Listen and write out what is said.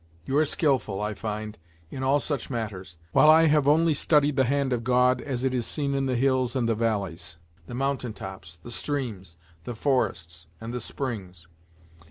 You are skilful, I find, in all such matters, while I have only studied the hand of God as it is seen in the hills and the valleys, the mountain tops, the streams, the forests and the springs.